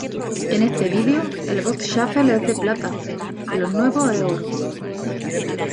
En este video, el Bot Shuffle es de plata, en los nuevos es oro.